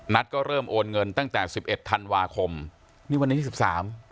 ก็เริ่มโอนเงินตั้งแต่สิบเอ็ดธันวาคมนี่วันนี้ที่สิบสาม